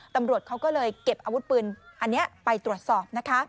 ตำรวจเขาก็เลยเก็บอาวุธปืนอันนี้ไปตรวจสอบนะคะ